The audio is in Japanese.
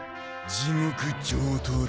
地獄上等だ。